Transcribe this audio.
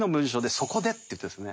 「そこで」って言ってるんですね。